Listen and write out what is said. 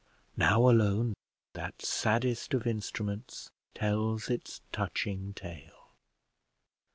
Now alone that saddest of instruments tells its touching tale.